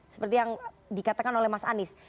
seperti yang dikatakan oleh mas anies